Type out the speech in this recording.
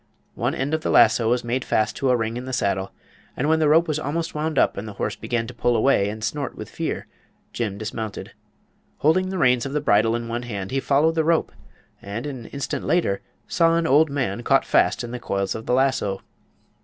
One end of the lasso was made fast to a ring in the saddle, and when the rope was almost wound up and the horse began to pull away and snort with fear, Jim dismounted. Holding the reins of the bridle in one hand, he followed the rope, and an instant later saw an old man caught fast in the coils of the lasso.